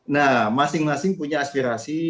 nah masing masing punya aspirasi